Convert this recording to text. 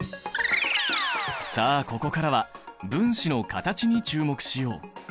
さあここからは分子の形に注目しよう！